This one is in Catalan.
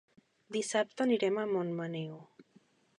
Dissabte anirem a Montmaneu.